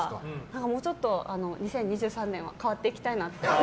もうちょっと２０２３年変わっていきたいなって。